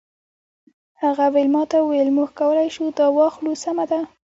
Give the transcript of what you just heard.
هغه ویلما ته وویل موږ کولی شو دا واخلو سمه ده